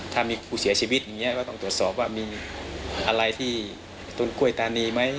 ถ้ามีผู้เสียชีวิตอย่างนี้ก็ต้องตรวจสอบว่ามีอะไรที่ต้นกล้วยตานีไหม